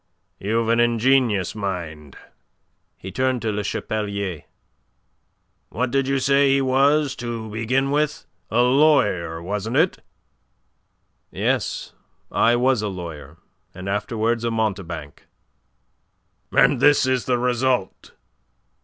"You've an ingenious mind." He turned to Le Chapelier. "What did you say he was to begin with a lawyer, wasn't it?" "Yes, I was a lawyer, and afterwards a mountebank." "And this is the result!"